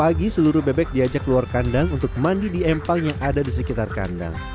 pagi seluruh bebek diajak keluar kandang untuk mandi di empang yang ada di sekitar kandang